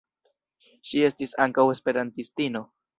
Ŝi estis ankaŭ esperantistino.